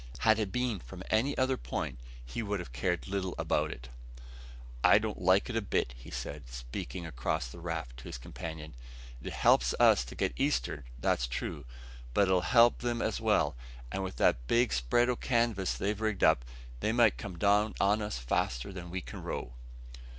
Had it been from any other point he would have cared little about it. "I don't like it a bit," said he, speaking across the raft to his companion. "It helps us to get east'ard, that's true; but it'll help them as well and with that broad spread o' canvas they've rigged up, they might come down on us faster than we can row."